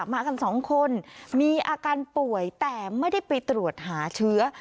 มากันสองคนมีอาการป่วยแต่ไม่ได้ไปตรวจหาเชื้อ